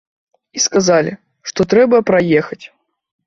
І сказалі, што трэба праехаць.